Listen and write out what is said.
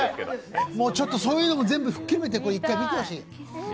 ちょっとそういうのも全部ひっくるめて一回見てほしい。